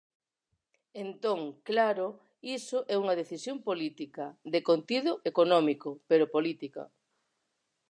Entón, claro, iso é unha decisión política, de contido económico, pero política.